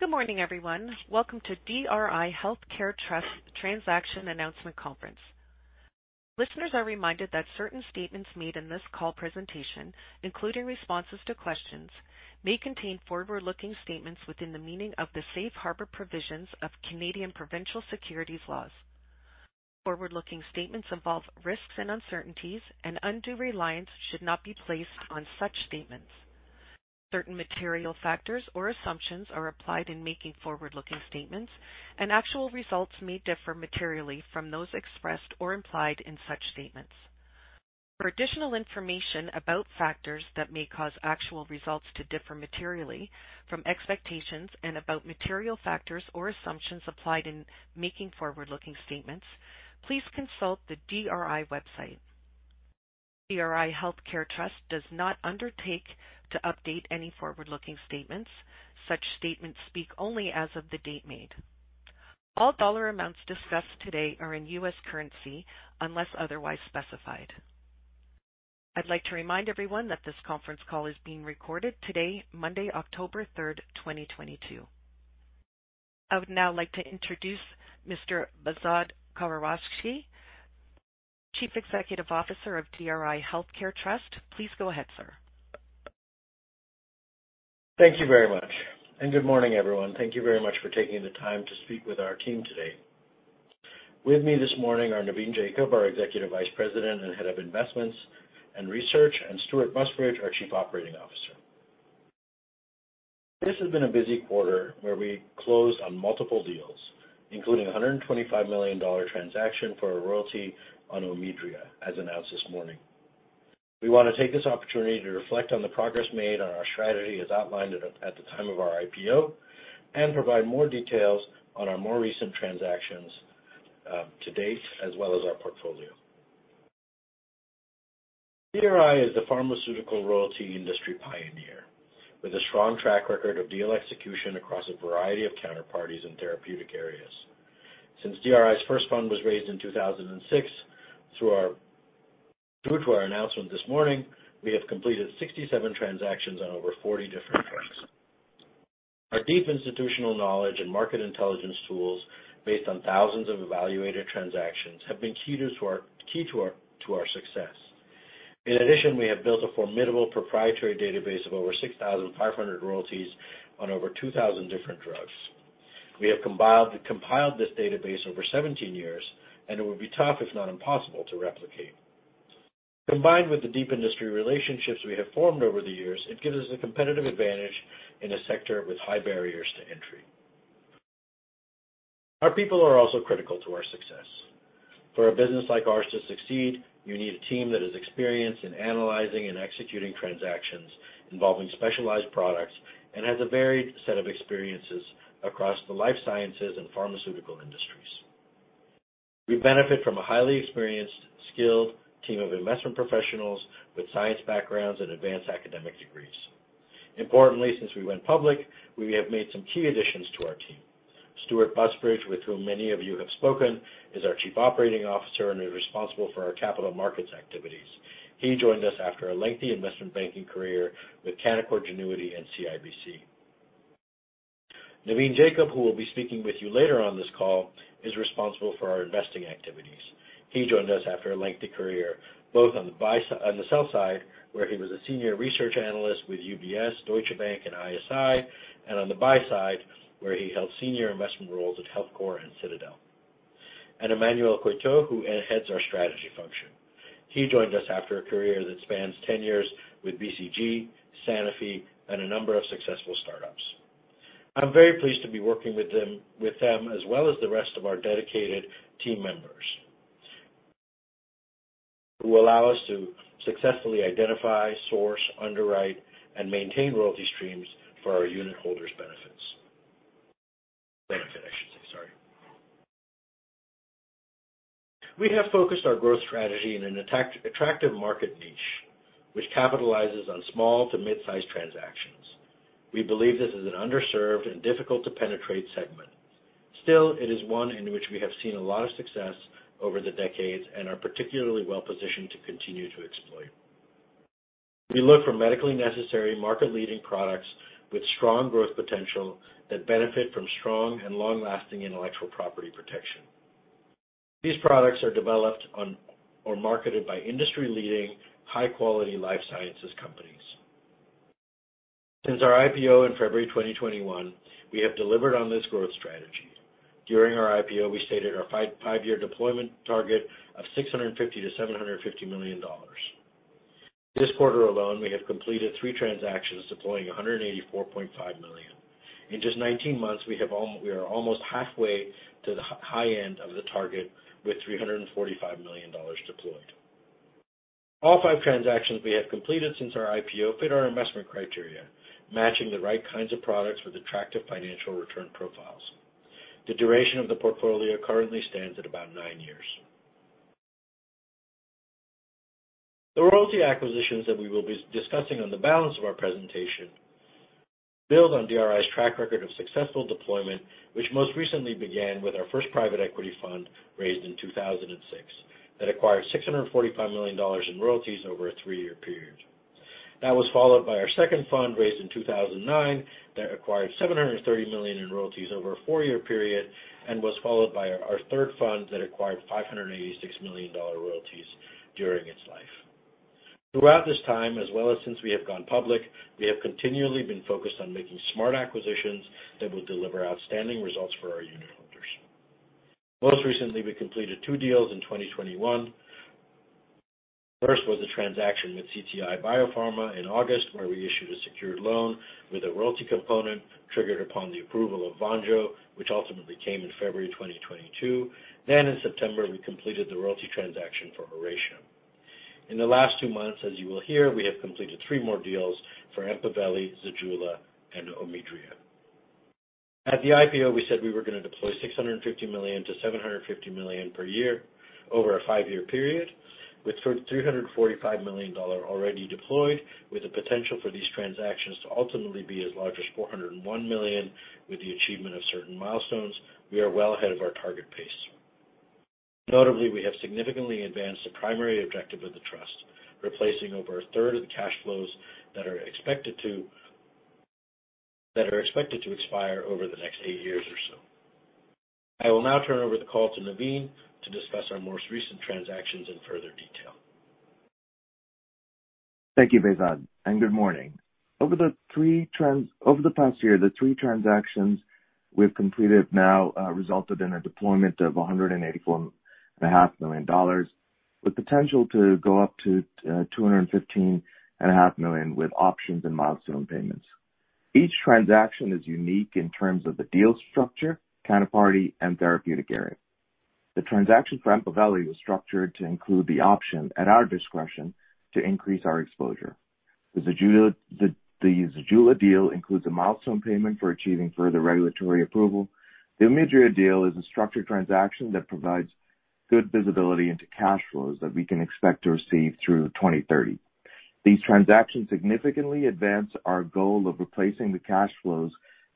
Good morning, everyone. Welcome to DRI Healthcare Trust Transaction Announcement Conference. Listeners are reminded that certain statements made in this call presentation, including responses to questions, may contain forward-looking statements within the meaning of the safe harbor provisions of Canadian provincial securities laws. Forward-looking statements involve risks and uncertainties, and undue reliance should not be placed on such statements. Certain material factors or assumptions are applied in making forward-looking statements, and actual results may differ materially from those expressed or implied in such statements. For additional information about factors that may cause actual results to differ materially from expectations and about material factors or assumptions applied in making forward-looking statements, please consult the DRI website. DRI Healthcare Trust does not undertake to update any forward-looking statements. Such statements speak only as of the date made. All dollar amounts discussed today are in US currency unless otherwise specified. I'd like to remind everyone that this conference call is being recorded today, Monday, 3 October 2022. I would now like to introduce Mr. Behzad Khosrowshahi, Chief Executive Officer of DRI Healthcare Trust. Please go ahead, sir. Thank you very much. Good morning, everyone. Thank you very much for taking the time to speak with our team today. With me this morning are Navin Jacob, our Executive Vice President and Head of Investments and Research, and Stewart Busbridge, our Chief Operating Officer. This has been a busy quarter where we closed on multiple deals, including a $125 million transaction for a royalty on Omidria, as announced this morning. We want to take this opportunity to reflect on the progress made on our strategy as outlined at the time of our IPO, and provide more details on our more recent transactions to date, as well as our portfolio. DRI is the pharmaceutical royalty industry pioneer with a strong track record of deal execution across a variety of counterparties in therapeutic areas. Since DRI's first fund was raised in 2006, through to our announcement this morning, we have completed 67 transactions on over 40 different drugs. Our deep institutional knowledge and market intelligence tools based on thousands of evaluated transactions have been key to our success. In addition, we have built a formidable proprietary database of over 6,500 royalties on over 2,000 different drugs. We have compiled this database over 17 years, and it would be tough, if not impossible, to replicate. Combined with the deep industry relationships we have formed over the years, it gives us a competitive advantage in a sector with high barriers to entry. Our people are also critical to our success. For a business like ours to succeed, you need a team that is experienced in analyzing and executing transactions involving specialized products and has a varied set of experiences across the life sciences and pharmaceutical industries. We benefit from a highly experienced, skilled team of investment professionals with science backgrounds and advanced academic degrees. Importantly, since we went public, we have made some key additions to our team. Stewart Busbridge, with whom many of you have spoken, is our Chief Operating Officer and is responsible for our capital markets activities. He joined us after a lengthy investment banking career with Canaccord Genuity and CIBC. Navin Jacob, who will be speaking with you later on this call, is responsible for our investing activities. He joined us after a lengthy career, both on the sell side, where he was a Senior Research Analyst with UBS, Deutsche Bank, and ISI, and on the buy side, where he held senior investment roles at HealthCor and Citadel. Emmanuel Coeytaux, who heads our strategy function. He joined us after a career that spans 10 years with BCG, Sanofi, and a number of successful startups. I'm very pleased to be working with them, as well as the rest of our dedicated team members who allow us to successfully identify, source, underwrite, and maintain royalty streams for our unit holders' benefits. We have focused our growth strategy in an attractive market niche which capitalizes on small to mid-size transactions. We believe this is an underserved and difficult to penetrate segment. Still, it is one in which we have seen a lot of success over the decades and are particularly well-positioned to continue to exploit. We look for medically necessary market-leading products with strong growth potential that benefit from strong and long-lasting intellectual property protection. These products are developed on or marketed by industry-leading, high-quality life sciences companies. Since our IPO in February 2021, we have delivered on this growth strategy. During our IPO, we stated our five-year deployment target of $650 million to $750 million. This quarter alone, we have completed 3 transactions deploying $184.5 million. In just 19 months, we are almost halfway to the high end of the target with $345 million deployed. All five transactions we have completed since our IPO fit our investment criteria, matching the right kinds of products with attractive financial return profiles. The duration of the portfolio currently stands at about nine years. The royalty acquisitions that we will be discussing on the balance of our presentation build on DRI's track record of successful deployment, which most recently began with our first private equity fund raised in 2006 that acquired $645 million in royalties over a three-year period. That was followed by our second fund raised in 2009 that acquired $730 million in royalties over a four-year period and was followed by our third fund that acquired $586 million dollar royalties during its life. Throughout this time, as well as since we have gone public, we have continually been focused on making smart acquisitions that will deliver outstanding results for our unitholders. Most recently, we completed two deals in 2021. First was a transaction with CTI BioPharma in August, where we issued a secured loan with a royalty component triggered upon the approval of Vonjo, which ultimately came in February 2022. In September, we completed the royalty transaction for Oracea. In the last two months, as you will hear, we have completed three more deals for Empaveli, Zejula, and Omidria. At the IPO, we said we were gonna deploy $650 million to $750 million per year over a five-year period, with $345 million already deployed, with the potential for these transactions to ultimately be as large as $401 million with the achievement of certain milestones. We are well ahead of our target pace. Notably, we have significantly advanced the primary objective of the trust, replacing over a third of the cash flows that are expected to expire over the next eight years or so. I will now turn over the call to Navin to discuss our most recent transactions in further detail. Thank you, Behzad, and good morning. Over the past year, the three transactions we've completed now resulted in a deployment of $184.5 million, with potential to go up to $215.5 million with options and milestone payments. Each transaction is unique in terms of the deal structure, counterparty, and therapeutic area. The transaction for Empaveli was structured to include the option at our discretion to increase our exposure. The Zejula deal includes a milestone payment for achieving further regulatory approval. The Omidria deal is a structured transaction that provides good visibility into cash flows that we can expect to receive through 2030. These transactions significantly advance our goal of replacing the cash flows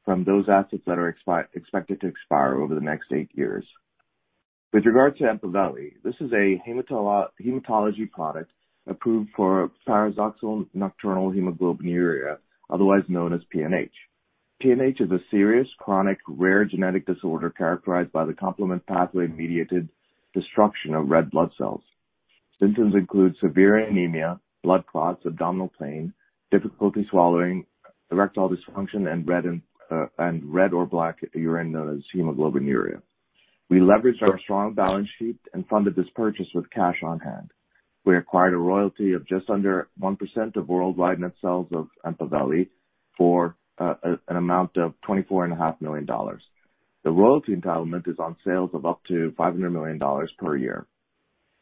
from those assets that are expected to expire over the next eight years. With regard to Empaveli, this is a hematology product approved for paroxysmal nocturnal hemoglobinuria, otherwise known as PNH. PNH is a serious chronic rare genetic disorder characterized by the complement pathway-mediated destruction of red blood cells. Symptoms include severe anemia, blood clots, abdominal pain, difficulty swallowing, erectile dysfunction, and red or black urine known as hemoglobinuria. We leveraged our strong balance sheet and funded this purchase with cash on hand. We acquired a royalty of just under 1% of worldwide net sales of Empaveli for an amount of 24 and a half million dollars. The royalty entitlement is on sales of up to $500 million per year.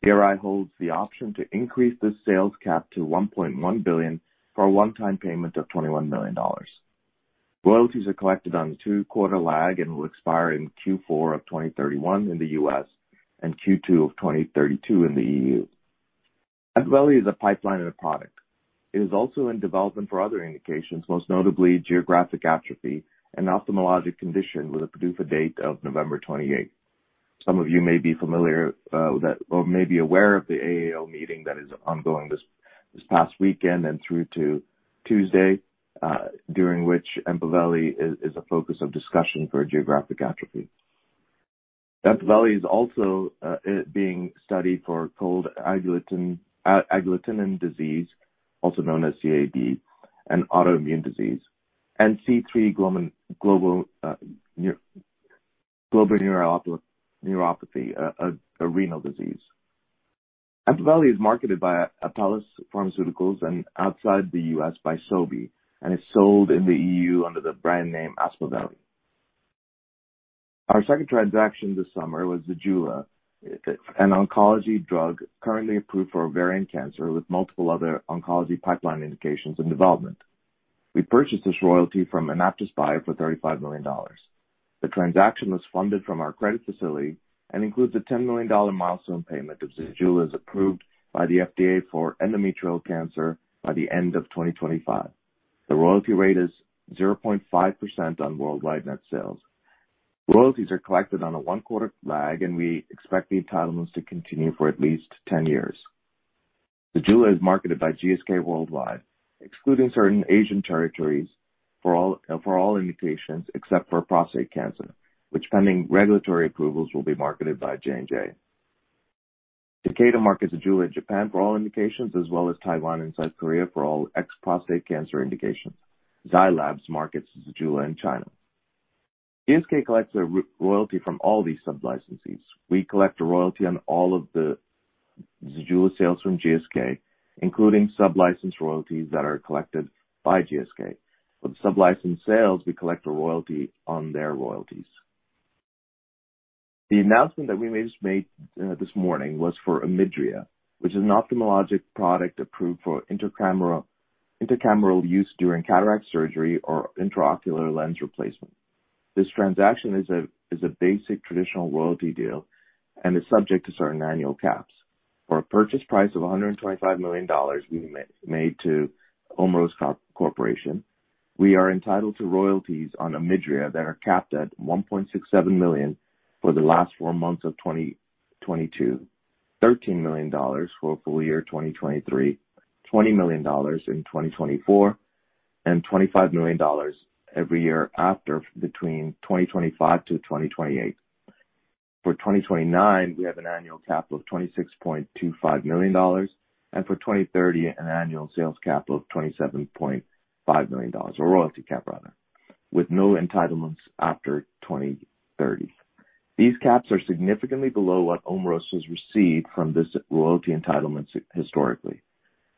DRI holds the option to increase this sales cap to 1.1 billion for a one-time payment of $21 million. Royalties are collected on a two-quarter lag and will expire in Q4 of 2031 in the US and Q2 of 2032 in the EU. Empaveli is in the pipeline and a product. It is also in development for other indications, most notably geographic atrophy, an ophthalmologic condition with a PDUFA date of November 28. Some of you may be familiar with that or may be aware of the AAO meeting that is ongoing this past weekend and through to Tuesday, during which Empaveli is a focus of discussion for geographic atrophy. Empaveli is also being studied for cold agglutinin disease, also known as CAD, an autoimmune disease, and C3 glomerulopathy, a renal disease. Empaveli is marketed by Apellis Pharmaceuticals and outside the US by Sobi, and is sold in the EU under the brand name Aspaveli. Our second transaction this summer was Zejula, an oncology drug currently approved for ovarian cancer with multiple other oncology pipeline indications in development. We purchased this royalty from AnaptysBio for $35 million. The transaction was funded from our credit facility and includes a $10 million milestone payment if Zejula is approved by the FDA for endometrial cancer by the end of 2025. The royalty rate is 0.5% on worldwide net sales. Royalties are collected on a one-quarter lag, and we expect the entitlements to continue for at least 10 years. Zejula is marketed by GSK worldwide, excluding certain Asian territories for all indications except for prostate cancer, which pending regulatory approvals will be marketed by J&J. Takeda markets Zejula in Japan for all indications, as well as Taiwan and South Korea for all ex-prostate cancer indications. Zai Lab markets Zejula in China. GSK collects a royalty from all these sub-licensees. We collect a royalty on all of the Zejula sales from GSK, including sublicense royalties that are collected by GSK. For the sublicense sales, we collect a royalty on their royalties. The announcement that we made this morning was for Omidria, which is an ophthalmologic product approved for intracameral use during cataract surgery or intraocular lens replacement. This transaction is a basic traditional royalty deal and is subject to certain annual caps. For a purchase price of $125 million we made to Omeros Corporation, we are entitled to royalties on Omidria that are capped at $1.67 million for the last four months of 2022, $13 million for full year 2023, $20 million in 2024, and $25 million every year after, between 2025 to 2028. For 2029, we have an annual cap of $26.25 million, and for 2030, an annual sales cap of $27.5 million, or royalty cap rather, with no entitlements after 2030. These caps are significantly below what Omeros has received from this royalty entitlements historically.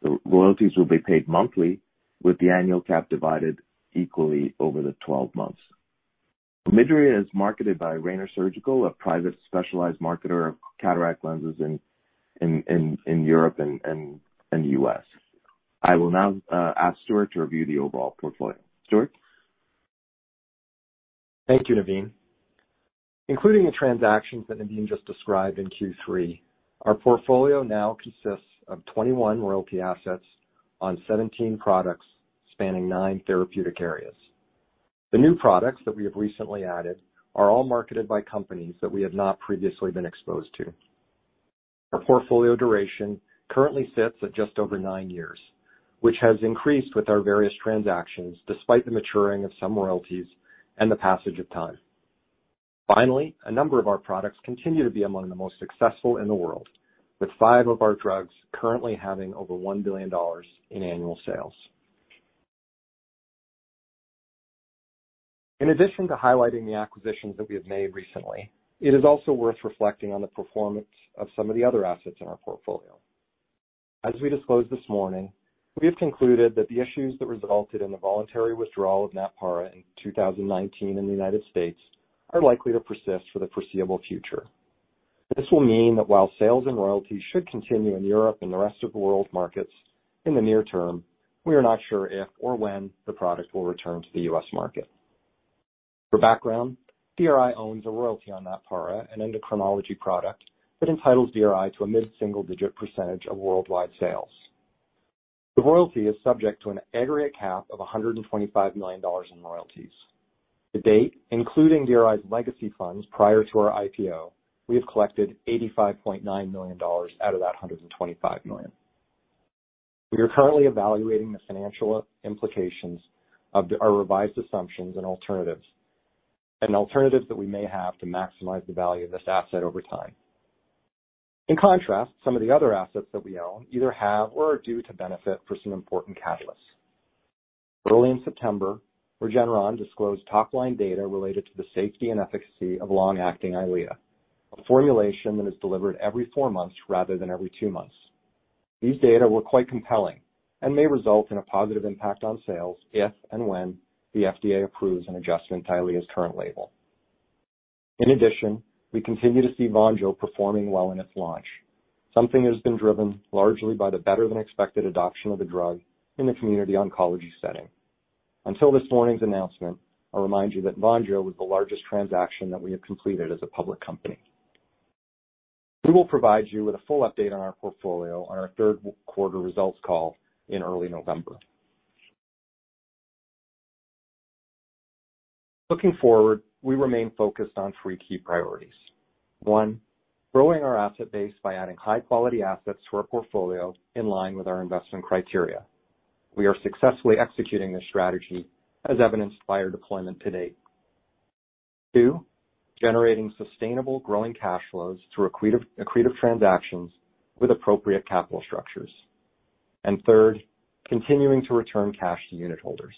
The royalties will be paid monthly, with the annual cap divided equally over the 12 months. Omidria is marketed by Rayner Surgical, a private specialized marketer of cataract lenses in Europe and U.S. I will now ask Stewart to review the overall portfolio. Stewart? Thank you, Navin. Including the transactions that Navin just described in Q3, our portfolio now consists of 21 royalty assets on 17 products spanning 9 therapeutic areas. The new products that we have recently added are all marketed by companies that we have not previously been exposed to. Our portfolio duration currently sits at just over 9 years, which has increased with our various transactions despite the maturing of some royalties and the passage of time. Finally, a number of our products continue to be among the most successful in the world, with 5 of our drugs currently having over $1 billion in annual sales. In addition to highlighting the acquisitions that we have made recently, it is also worth reflecting on the performance of some of the other assets in our portfolio. As we disclosed this morning, we have concluded that the issues that resulted in the voluntary withdrawal of Natpara in 2019 in the United States are likely to persist for the foreseeable future. This will mean that while sales and royalties should continue in Europe and the rest of the world markets in the near term, we are not sure if or when the product will return to the US market. For background, DRI owns a royalty on Natpara, an endocrinology product that entitles DRI to a mid-single digit % of worldwide sales. The royalty is subject to an aggregate cap of $125 million in royalties. To date, including DRI's legacy funds prior to our IPO, we have collected $85.9 million out of that $125 million. We are currently evaluating the financial implications of our revised assumptions and alternatives that we may have to maximize the value of this asset over time. In contrast, some of the other assets that we own either have or are due to benefit from some important catalysts. Early in September, Regeneron disclosed top line data related to the safety and efficacy of long-acting EYLEA, a formulation that is delivered every four months rather than every two months. These data were quite compelling and may result in a positive impact on sales if and when the FDA approves an adjustment to EYLEA's current label. In addition, we continue to see Vonjo performing well in its launch, something that has been driven largely by the better than expected adoption of the drug in the community oncology setting. Until this morning's announcement, I'll remind you that Vonjo was the largest transaction that we have completed as a public company. We will provide you with a full update on our portfolio on our third quarter results call in early November. Looking forward, we remain focused on three key priorities. One, growing our asset base by adding high-quality assets to our portfolio in line with our investment criteria. We are successfully executing this strategy as evidenced by our deployment to date. Two, generating sustainable growing cash flows through accretive transactions with appropriate capital structures. Third, continuing to return cash to unitholders.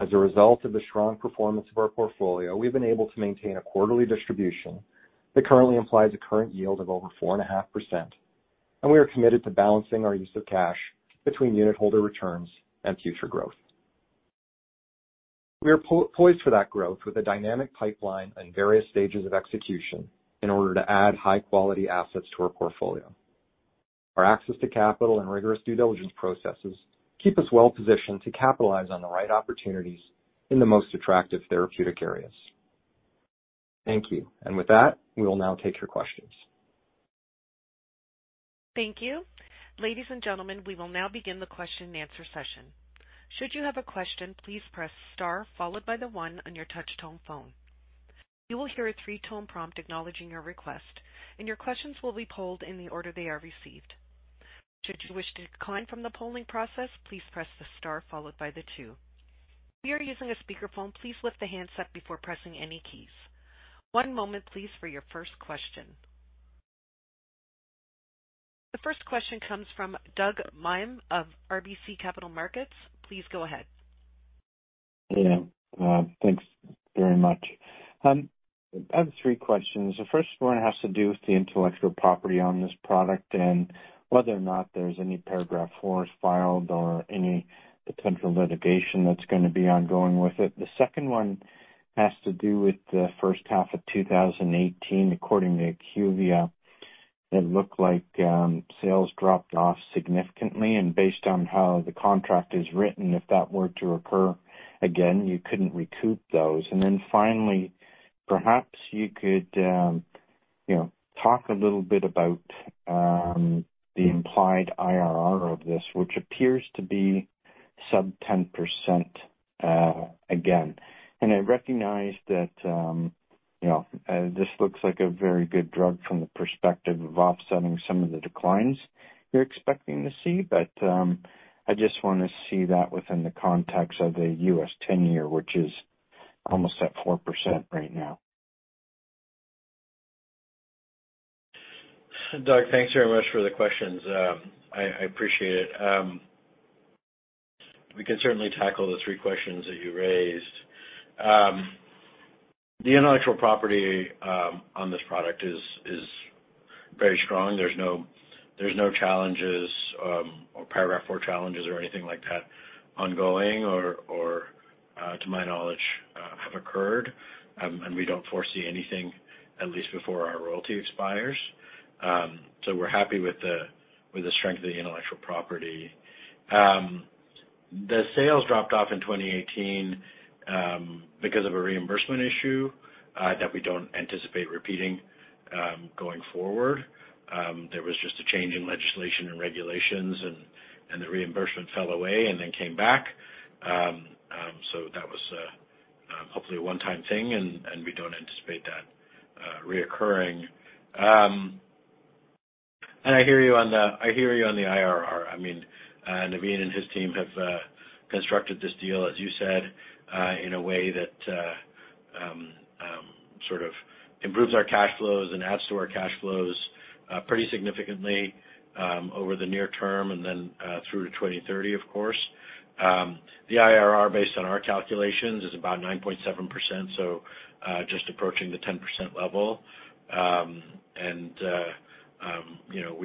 As a result of the strong performance of our portfolio, we've been able to maintain a quarterly distribution that currently implies a current yield of over 4.5%, and we are committed to balancing our use of cash between unitholder returns and future growth. We are poised for that growth with a dynamic pipeline and various stages of execution in order to add high-quality assets to our portfolio. Our access to capital and rigorous due diligence processes keep us well positioned to capitalize on the right opportunities in the most attractive therapeutic areas. Thank you. With that, we will now take your questions. Thank you. Ladies and gentlemen, we will now begin the Q&A. Should you have a question, please press star followed by the 1 on your touch tone phone. You will hear a three-tone prompt acknowledging your request, and your questions will be polled in the order they are received. Should you wish to decline from the polling process, please press the star followed by the 2. If you are using a speakerphone, please lift the handset before pressing any keys. One moment please for your first question. The first question comes from Doug Miehm of RBC Capital Markets. Please go ahead. Thanks very much. I have three questions. The first one has to do with the intellectual property on this product and whether or not there's any Paragraph IV filed or any potential litigation that's gonna be ongoing with it. The second one has to do with the first half of 2018, according to IQVIA. It looked like sales dropped off significantly and based on how the contract is written, if that were to occur again, you couldn't recoup those. Finally, perhaps you could you know talk a little bit about the implied IRR of this, which appears to be sub 10%, again. I recognize that you know this looks like a very good drug from the perspective of offsetting some of the declines you're expecting to see. I just wanna see that within the context of a U.S. 10-year, which is almost at 4% right now. Doug, thanks very much for the questions. I appreciate it. We can certainly tackle the three questions that you raised. The intellectual property on this product is very strong. There's no challenges or Paragraph IV challenges or anything like that ongoing or to my knowledge have occurred. We don't foresee anything, at least before our royalty expires. We're happy with the strength of the intellectual property. The sales dropped off in 2018 because of a reimbursement issue that we don't anticipate repeating going forward. There was just a change in legislation and regulations and the reimbursement fell away and then came back. That was hopefully a one-time thing and we don't anticipate that reoccurring. I hear you on the IRR. I mean, Navin and his team have constructed this deal, as you said, in a way that sort of improves our cash flows and adds to our cash flows, pretty significantly, over the near term and then through to 2030 of course. The IRR based on our calculations is about 9.7%, so just approaching the 10% level. You know,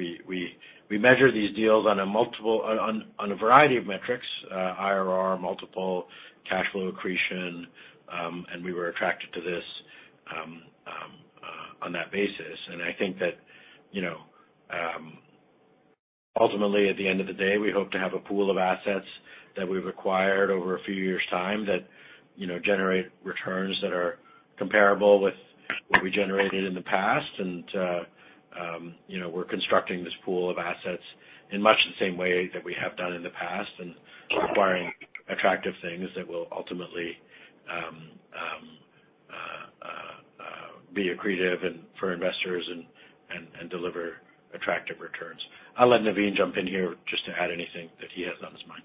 we measure these deals on a multiple, on a variety of metrics, IRR, multiple cash flow accretion, and we were attracted to this on that basis. I think that, ultimately, at the end of the day, we hope to have a pool of assets that we've acquired over a few years' time that, you know, generate returns that are comparable with what we generated in the past. We're constructing this pool of assets in much the same way that we have done in the past and acquiring attractive things that will ultimately be accretive and for investors and deliver attractive returns. I'll let Navin jump in here just to add anything that he has on his mind.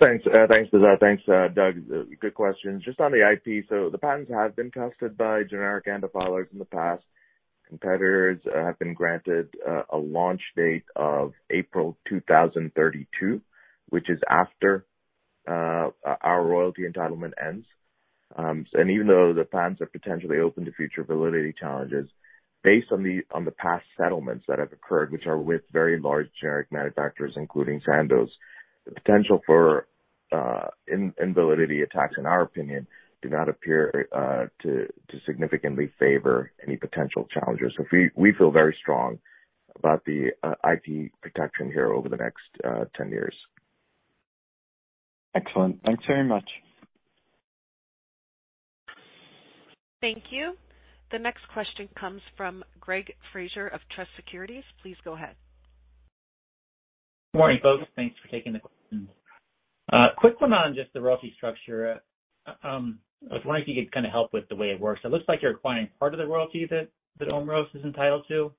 Thanks, Behzad. Thanks, Doug. Good questions. Just on the IP. The patents have been tested by generic ANDA filers in the past. Competitors have been granted a launch date of April 2032, which is after our royalty entitlement ends. Even though the patents are potentially open to future validity challenges, based on the past settlements that have occurred, which are with very large generic manufacturers, including Sandoz, the potential for invalidity attacks, in our opinion, do not appear to significantly favor any potential challenges. We feel very strong about the IP protection here over the next 10 years. Excellent. Thanks very much. Thank you. The next question comes from Greg Fraser of Truist Securities. Please go ahead. Good morning, folks. Thanks for taking the questions. Quick one on just the royalty structure. I was wondering if you could kind of help with the way it works. It looks like you're acquiring part of the royalty that Omeros is entitled to.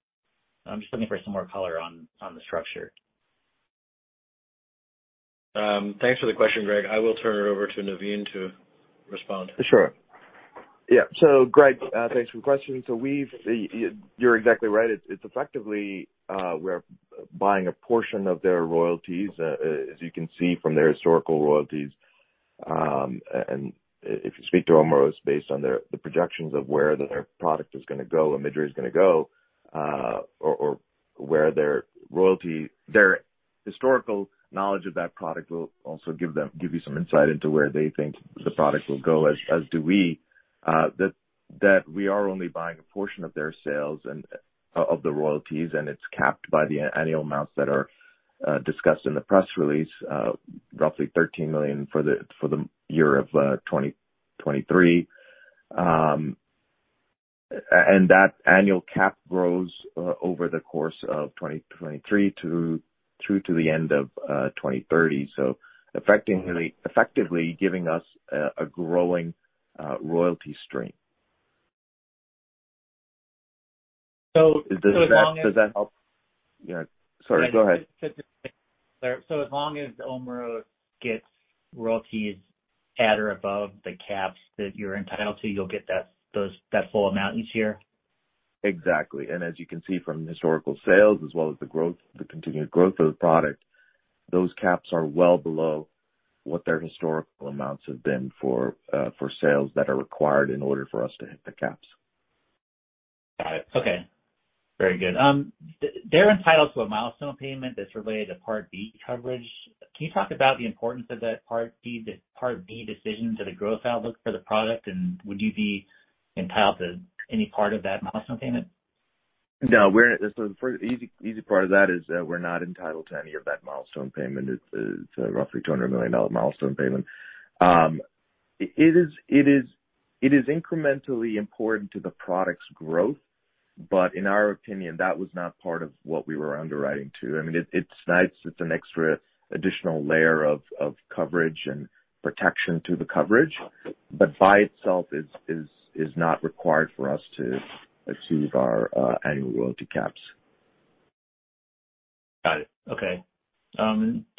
I'm just looking for some more color on the structure. Thanks for the question, Greg. I will turn it over to Navin to respond. Greg, thanks for the question. You're exactly right. It's effectively we're buying a portion of their royalties as you can see from their historical royalties. If you speak to Omeros, based on their projections of where their product is gonna go and Omidria is gonna go, or where their historical knowledge of that product will also give you some insight into where they think the product will go, as do we that we are only buying a portion of their sales and of the royalties, and it's capped by the annual amounts that are discussed in the press release, roughly $13 million for the year of 2023. That annual cap grows over the course of 2023 through to the end of 2030. Effectively giving us a growing royalty stream. Does that help? Sorry, go ahead. As long as Omeros gets royalties at or above the caps that you're entitled to, you'll get that full amount each year? Exactly. As you can see from historical sales as well as the growth, the continued growth of the product, those caps are well below what their historical amounts have been for sales that are required in order for us to hit the caps. Got it. Okay. Very good. They're entitled to a milestone payment that's related to Part D coverage. Can you talk about the importance of that Part B, the Part B decision to the growth outlook for the product, and would you be entitled to any part of that milestone payment? No. The first easy part of that is that we're not entitled to any of that milestone payment. It's a roughly $200 million milestone payment. It is incrementally important to the product's growth, but in our opinion, that was not part of what we were underwriting to. I mean, it's nice it's an extra additional layer of coverage and protection to the coverage. By itself is not required for us to achieve our annual royalty caps. Got it. Okay.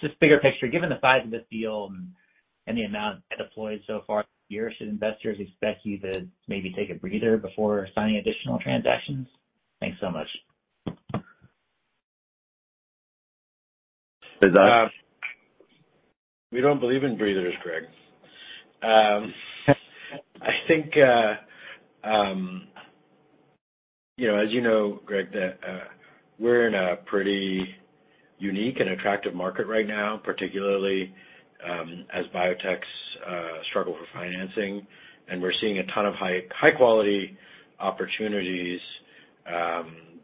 Just bigger picture. Given the size of this deal and any amount deployed so far this year, should investors expect you to maybe take a breather before signing additional transactions? Thanks so much. Is that? We don't believe in breathers, Greg. I think, you know, as you know, Greg, that we're in a pretty unique and attractive market right now, particularly as biotechs struggle for financing. We're seeing a ton of high quality opportunities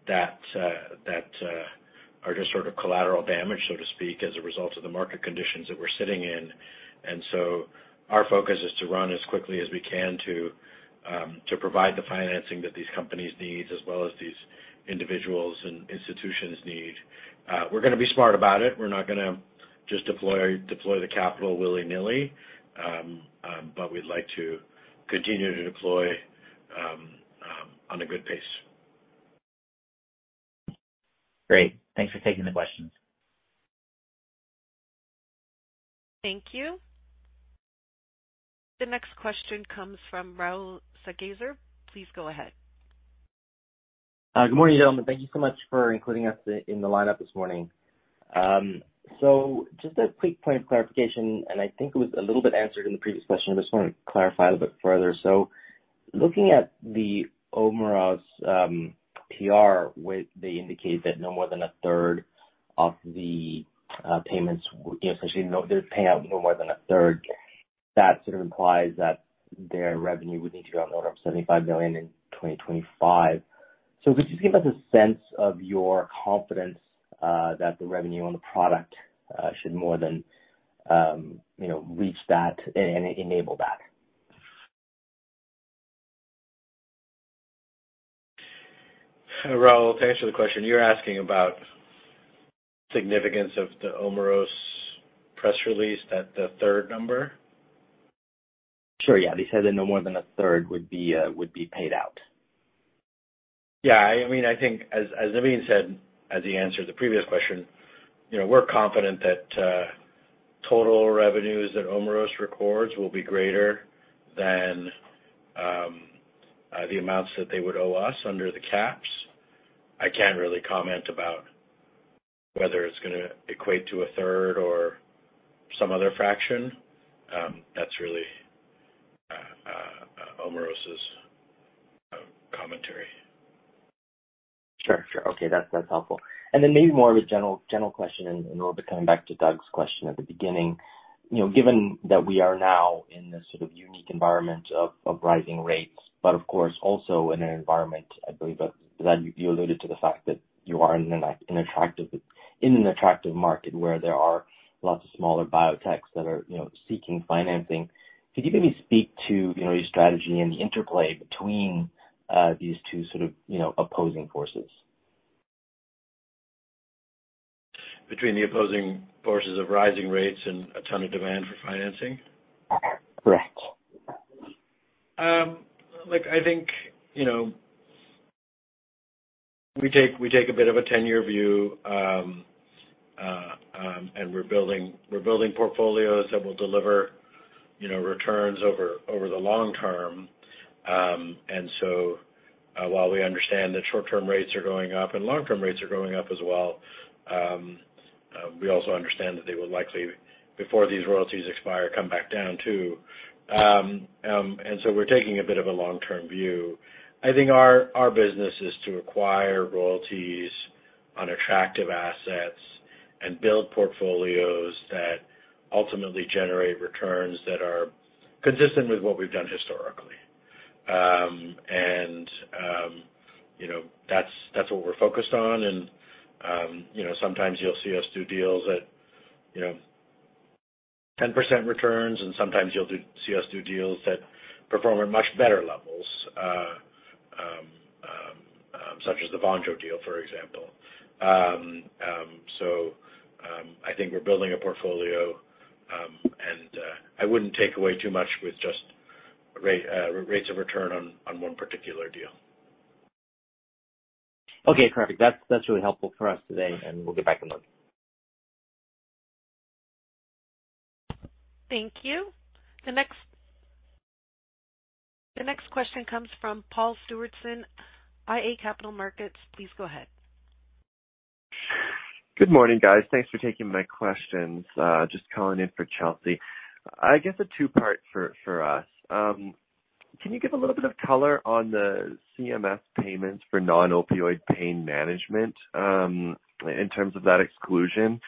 that are just sort of collateral damage, so to speak, as a result of the market conditions that we're sitting in. Our focus is to run as quickly as we can to provide the financing that these companies need as well as these individuals and institutions need. We're gonna be smart about it. We're not gonna just deploy the capital willy-nilly. But we'd like to continue to deploy on a good pace. Great. Thanks for taking the questions. Thank you. The next question comes from Rahul Sarugaser. Please go ahead. Good morning, gentlemen. Thank you so much for including us in the lineup this morning. Just a quick point of clarification, and I think it was a little bit answered in the previous question. I just wanna clarify a little bit further. Looking at the Omeros PR, where they indicate that no more than a third of the payments, you know, essentially they're paying out no more than a third. That sort of implies that their revenue would need to go on the order of $75 million in 2025. Could you give us a sense of your confidence that the revenue on the product should more than, you know, reach that and enable that? Rahul, to answer the question, you're asking about significance of the Omeros press release, that the third number? Sure. They said that no more than a third would be paid out. I mean, I think as Navin said, as he answered the previous question, you know, we're confident that total revenues that Omeros records will be greater than the amounts that they would owe us under the caps. I can't really comment about whether it's gonna equate to a third or some other fraction. That's really Omeros's commentary. Sure. Okay. That's helpful. Then maybe more of a general question and a little bit coming back to Doug's question at the beginning. You know, given that we are now in this sort of unique environment of rising rates, but of course also in an environment, I believe that you alluded to the fact that you are in an attractive market where there are lots of smaller biotechs that are, you know, seeking financing. Could you maybe speak to, you know, your strategy and the interplay between these two sort of, you know, opposing forces? Between the opposing forces of rising rates and a ton of demand for financing? Correct. Look, I think, you know, we take a bit of a 10-year view. We're building portfolios that will deliver, you know, returns over the long term. While we understand that short-term rates are going up and long-term rates are going up as well, we also understand that they will likely, before these royalties expire, come back down too. We're taking a bit of a long-term view. I think our business is to acquire royalties on attractive assets and build portfolios that ultimately generate returns that are consistent with what we've done historically. You know, that's what we're focused on. Sometimes you'll see us do deals at 10% returns, and sometimes you'll see us do deals that perform at much better levels, such as the Vonjo deal, for example. I think we're building a portfolio. I wouldn't take away too much with just rates of return on one particular deal. Okay. Perfect. That's really helpful for us today, and we'll get back in touch. Thank you. The next question comes from Paul Stewardson, iA Capital Markets. Please go ahead. Good morning, guys. Thanks for taking my questions. Just calling in for Chelsea. I guess a two-part for us. Can you give a little bit of color on the CMS payments for non-opioid pain management, in terms of that exclusion?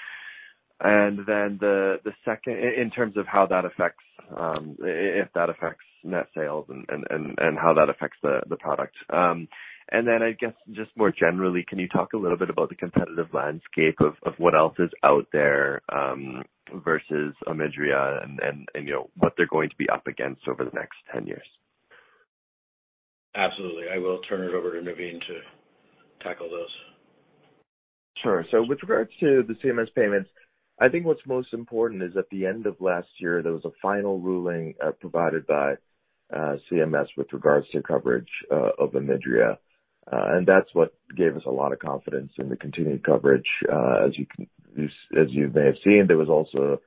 The second, in terms of how that affects, if that affects net sales and how that affects the product. I guess just more generally, can you talk a little bit about the competitive landscape of what else is out there, versus Omidria and you know, what they're going to be up against over the next 10 years? Absolutely. I will turn it over to Navin to tackle those. Sure. With regards to the CMS payments, I think what's most important is at the end of last year, there was a final ruling provided by CMS with regards to coverage of Omidria. That's what gave us a lot of confidence in the continued coverage. As you may have seen, there was also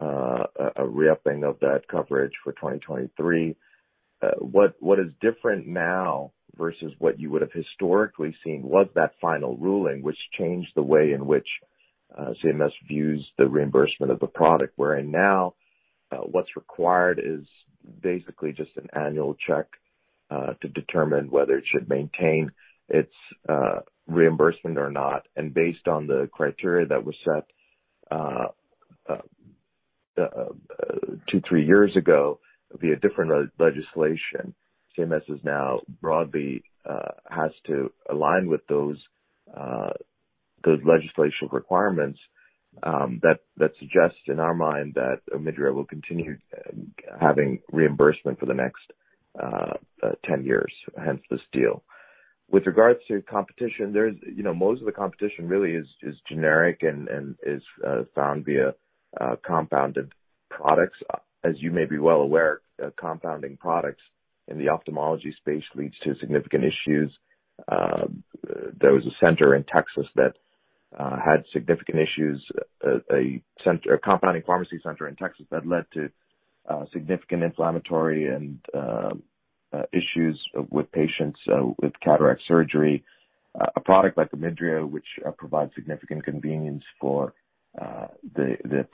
a re-upping of that coverage for 2023. What is different now versus what you would have historically seen was that final ruling, which changed the way in which CMS views the reimbursement of the product. Wherein now, what's required is basically just an annual check to determine whether it should maintain its reimbursement or not. Based on the criteria that was set, 2 to 3 years ago via different legislation, CMS is now broadly has to align with those those legislative requirements, that suggests in our mind that Omidria will continue having reimbursement for the next 10 years, hence this deal. With regards to competition, there's, you know, most of the competition really is generic and is found via compounded products. As you may be well aware, compounding products in the ophthalmology space leads to significant issues. There was a center in Texas that had significant issues, a compounding pharmacy center in Texas that led to significant inflammatory and issues with patients with cataract surgery. A product like Omidria, which provides significant convenience for the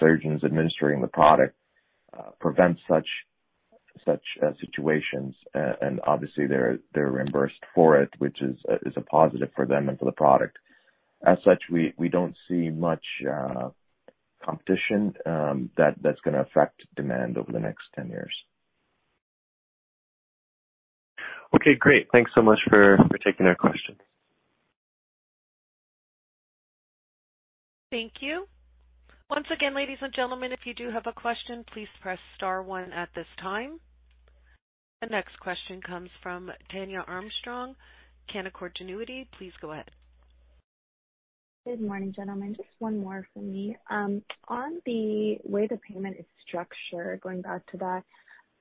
surgeons administering the product, prevents such situations. Obviously they're reimbursed for it, which is a positive for them and for the product. As such, we don't see much competition that's gonna affect demand over the next 10 years. Okay, great. Thanks so much for taking our question. Thank you. Once again, ladies and gentlemen, if you do have a question, please press star one at this time. The next question comes from Tania Armstrong-Whitworth, Canaccord Genuity. Please go ahead. Good morning, gentlemen. Just one more from me. On the way the payment is structured, going back to that,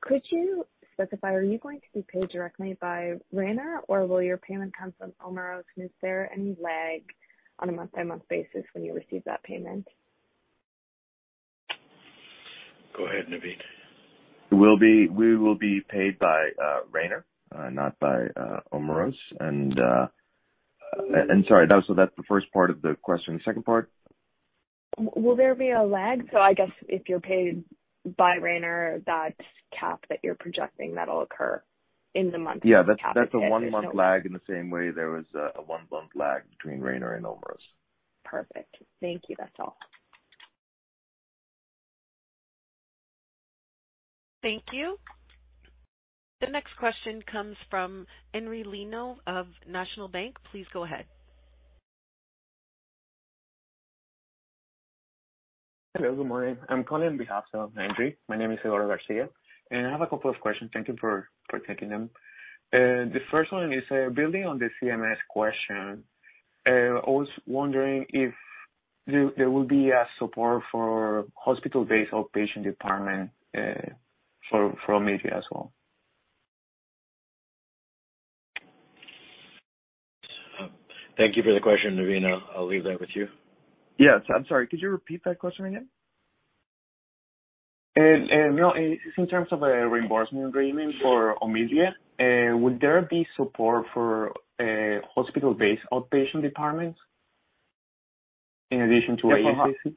could you specify, are you going to be paid directly by Rayner or will your payment come from Omeros? Is there any lag on a month-by-month basis when you receive that payment? Go ahead, Navin. We will be paid by Rayner, not by Omeros. Sorry, that was the first part of the question. The second part? Will there be a lag? I guess if you're paid by Rayner, that cap that you're projecting, that'll occur in the month. That's a 1-month lag in the same way there was a 1-month lag between Rayner and Omeros. Perfect. Thank you. That's all. Thank you. The next question comes from Endri Leno of National Bank. Please go ahead. Hello, good morning. I'm calling on behalf of Endri Leno. My name is Eduardo Garcia, and I have a couple of questions. Thank you for taking them. The first one is building on the CMS question. I was wondering if there will be support for hospital-based outpatient department for Omidria as well. Thank you for the question. Navin, I'll leave that with you. Yes. I'm sorry. Could you repeat that question again? No, it's in terms of a reimbursement agreement for Omidria. Would there be support for hospital-based outpatient departments in addition to ASC?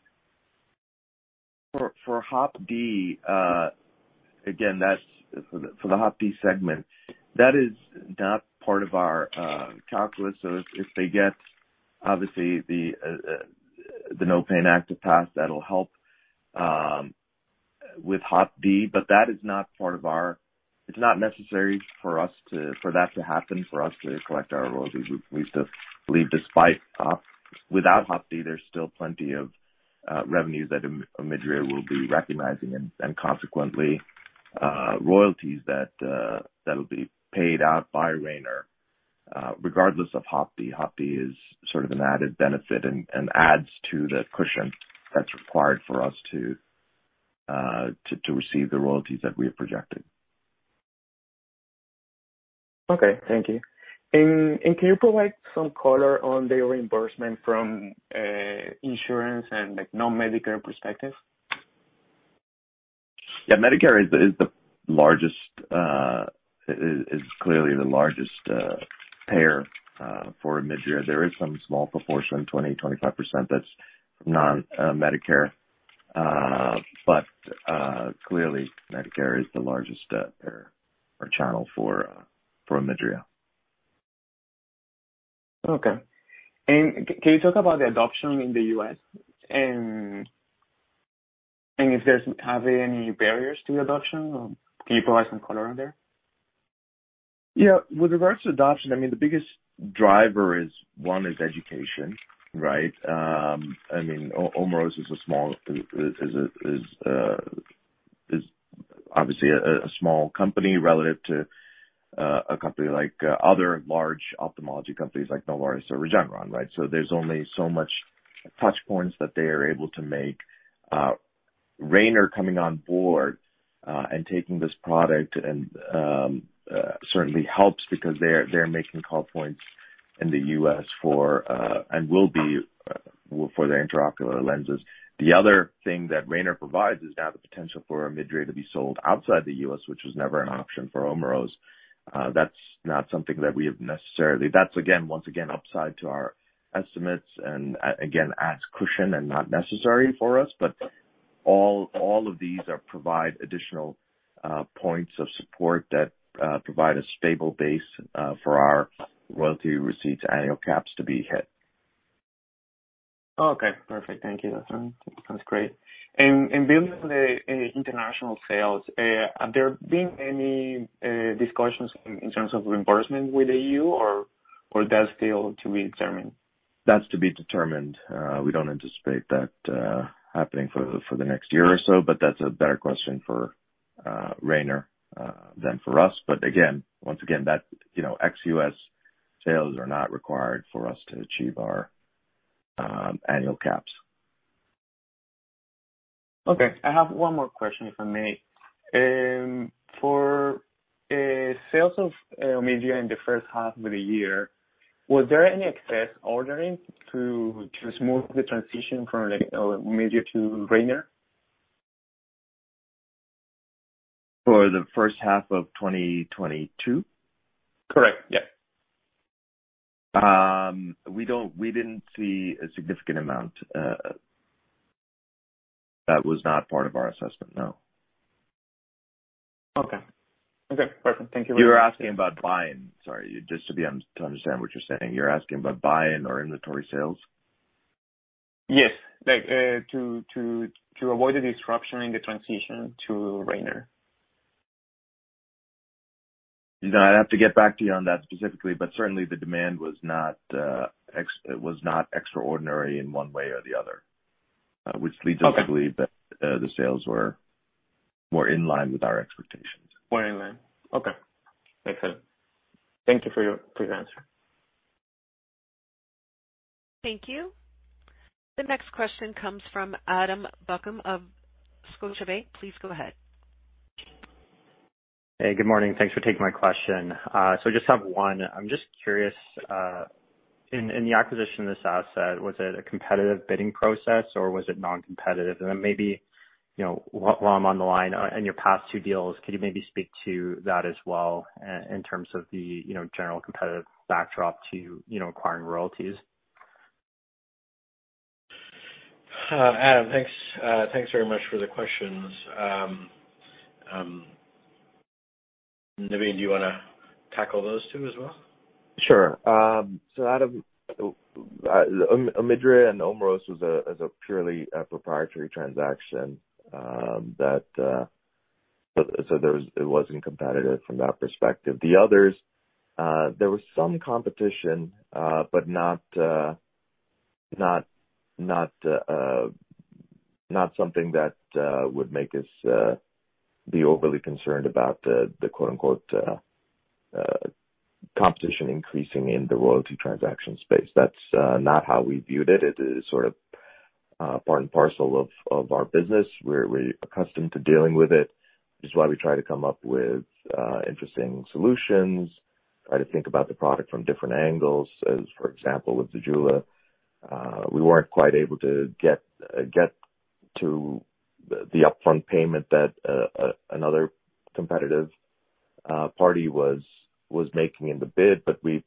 For HOPD, again, that's for the HOPD segment, that is not part of our calculus. If they get obviously the NOPAIN Act to pass, that'll help with HOPD. That is not part of our. It's not necessary for that to happen for us to collect our royalties. We still believe despite without HOPD, there's still plenty of revenues that Omidria will be recognizing and consequently royalties that'll be paid out by Rayner regardless of HOPD. HOPD is sort of an added benefit and adds to the cushion that's required for us to receive the royalties that we have projected. Okay, thank you. Can you provide some caller on the reimbursement from insurance and like non-Medicare perspective? Medicare is clearly the largest payer for Omidria. There is some small proportion, 20% to 25% that's non-Medicare. Clearly Medicare is the largest channel for Omidria. Okay. Can you talk about the adoption in the U.S. and if there are any barriers to the adoption or can you provide some color on there? with regards to adoption, I mean, the biggest driver is education, right? I mean, Omeros is obviously a small company relative to a company like other large ophthalmology companies like Novartis or Regeneron, right? So there's only so much touch points that they are able to make. Rayner coming on board and taking this product and certainly helps because they're making call points in the US for and will be for their intraocular lenses. The other thing that Rayner provides is now the potential for Omidria to be sold outside the US, which was never an option for Omeros. That's not something that we have necessarily. That's again upside to our estimates and again adds cushion and not necessary for us. But all of these are provide additional points of support that provide a stable base for our royalty receipts annual caps to be hit. Okay. Perfect. Thank you. That's great. Building on the international sales, have there been any discussions in terms of reimbursement with EU or that's still to be determined? That's to be determined. We don't anticipate that happening for the next year or so, but that's a better question for Rayner than for us. Once again, you know, ex-US sales are not required for us to achieve our annual caps. Okay. I have one more question, if I may. For sales of Omidria in the first half of the year, was there any excess ordering to smooth the transition from, like, Omidria to Rayner? For the first half of 2022? Correct. We didn't see a significant amount. That was not part of our assessment, no. Okay. Okay. Perfect. Thank you very much. You're asking about buy-in. Sorry. Just to understand what you're saying. You're asking about buy-in or inventory sales? Yes. Like, to avoid the disruption in the transition to Rayner. No, I'd have to get back to you on that specifically, but certainly the demand was not extraordinary in one way or the other. Which leads us to believe. Okay. That the sales were more in line with our expectations. More in line. Okay. Makes sense. Thank you for your answer. Thank you. The next question comes from Adam Buckham of Scotiabank. Please go ahead. Hey, good morning. Thanks for taking my question. Just have one. I'm just curious, in the acquisition of this asset, was it a competitive bidding process or was it non-competitive? Maybe, you know, while I'm on the line, on your past two deals, could you maybe speak to that as well in terms of the, you know, general competitive backdrop to, you know, acquiring royalties? Adam, thanks very much for the questions. Navin, do you wanna tackle those two as well? Sure. Adam, Omidria and Omeros is a purely proprietary transaction, that it wasn't competitive from that perspective. The others, there was some competition, but not something that would make us be overly concerned about the quote unquote competition increasing in the royalty transaction space. That's not how we viewed it. It is sort of part and parcel of our business. We're accustomed to dealing with it, which is why we try to come up with interesting solutions, try to think about the product from different angles. As for example, with Zejula, we weren't quite able to get to the upfront payment that another competitive party was making in the bid, but we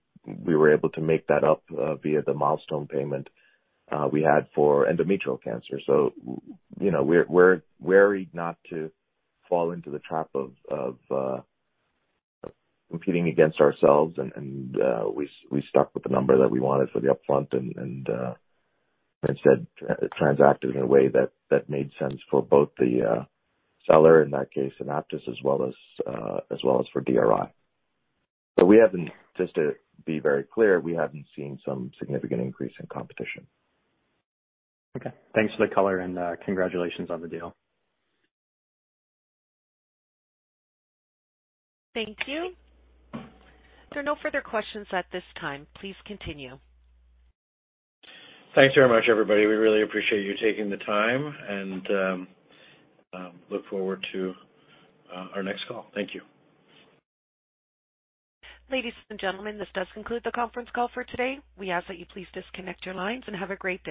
were able to make that up via the milestone payment we had for endometrial cancer. You know, we're wary not to fall into the trap of competing against ourselves and we stuck with the number that we wanted for the upfront and instead transacted in a way that made sense for both the seller, in that case AnaptysBio, as well as for DRI. We haven't, just to be very clear, we haven't seen some significant increase in competition. Okay. Thanks for the color and congratulations on the deal. Thank you. There are no further questions at this time. Please continue. Thanks very much, everybody. We really appreciate you taking the time and look forward to our next call. Thank you. Ladies and gentlemen, this does conclude the conference call for today. We ask that you please disconnect your lines and have a great day.